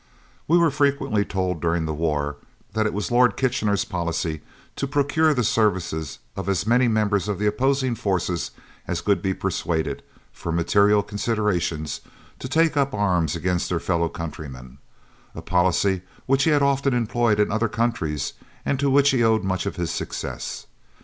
We were frequently told during the war that it was Lord Kitchener's policy to procure the services of as many members of the opposing forces as could be persuaded, for material considerations, to take up arms against their fellow countrymen, a policy which he had often employed in other countries and to which he owed much of his success.